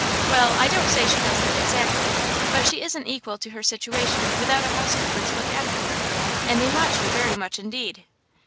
"Well, I don't say she does that exactly, but she isn't equal to her situation without a housekeeper to look after her, and they want you very much, indeed!"